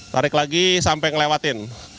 tarik lagi sampai ngelewatin